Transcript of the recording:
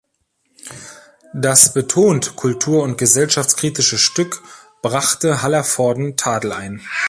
Das betont kultur- und gesellschaftskritische Stück brachte Hallervorden Tadel ein.